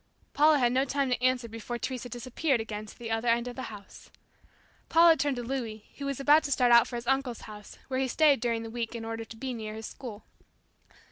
Paula had no time to answer before Teresa disappeared again to the other end of the house. Paula turned to Louis, who was about to start out for his uncle's house, where he stayed during the week in order to be near his school.